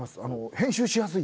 編集しやすい？